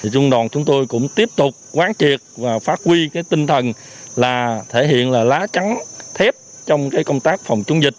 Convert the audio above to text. trung đoàn chúng tôi cũng tiếp tục quán triệt và phát huy tinh thần là thể hiện là lá trắng thép trong công tác phòng chống dịch